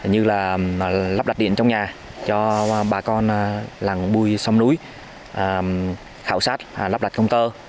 như là lắp đặt điện trong nhà cho bà con làng bùi sông núi khảo sát lắp đặt công tơ